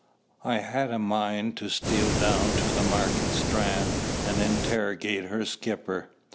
I had a mind to steal down to the Market Strand and interrogate her skipper.